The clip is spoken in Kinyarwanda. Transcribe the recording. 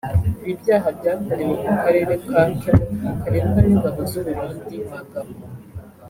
Ibi byaha byakorewe mu karere ka Kemo karindwa n’ingabo z’u Burundi na Gabon